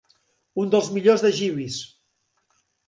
Un dels millors de Jeeves.